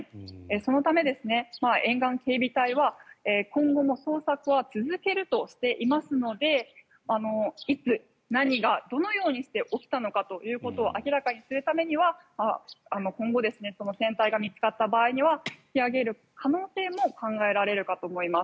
そのため、沿岸警備隊は今後も捜索は続けるとしていますのでいつ、何が、どのようにして起きたのかということを明らかにするためには今後、船体が見つかった場合には引き揚げる可能性も考えられるかと思います。